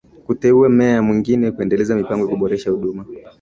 kuteua meya mwengine kuendeleza mipango ya kuboresha huduma